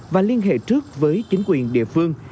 và liên hệ trước với chính quyền địa phương